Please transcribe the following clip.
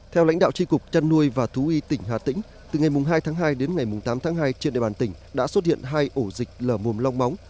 theo lãnh đạo tri cục chăn nuôi và thú y tỉnh hà tĩnh từ ngày hai tháng hai đến ngày tám tháng hai trên địa bàn tỉnh đã xuất hiện hai ổ dịch lở mồm long móng